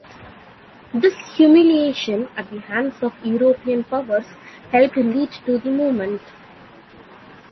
This humiliation at the hands of the European powers helped lead to the movement.